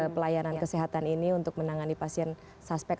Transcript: pelayanan kesehatan ini untuk menangani pasien suspek